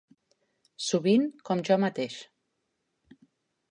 Sovint com jo mateix.